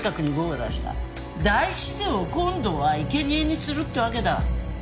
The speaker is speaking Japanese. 大自然を今度はいけにえにするってわけだ。